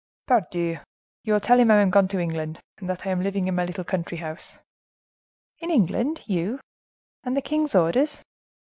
"Pardieu! You will tell him I am gone into England; and that I am living in my little country house." "In England, you!—And the king's orders?"